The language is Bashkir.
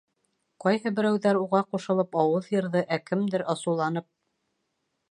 Ҡайһы берәүҙәр, уға ҡушылып, ауыҙ йырҙы, ә кемдер асыуланып: